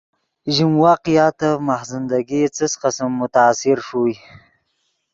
ژیم واقعاتف ماخ زندگی څس قسم متاثر ݰوئے